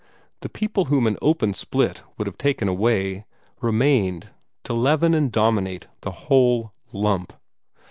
The people whom an open split would have taken away remained to leaven and dominate the whole lump.